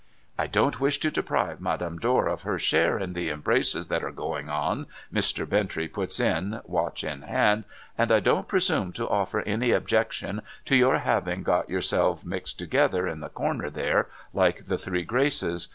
' I don't wish to deprive Madame Dor of her share in the embraces that are going on,' Mr. Bintrey puts in, watch in hand, 'and I don't presume to offer any objection to your having got yourselves mixed together, in the corner there, like the three Graces.